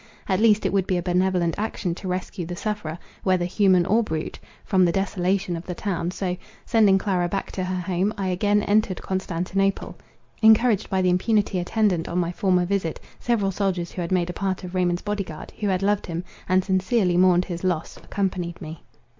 At least it would be a benevolent action to rescue the sufferer, whether human or brute, from the desolation of the town; so, sending Clara back to her home, I again entered Constantinople. Encouraged by the impunity attendant on my former visit, several soldiers who had made a part of Raymond's body guard, who had loved him, and sincerely mourned his loss, accompanied me.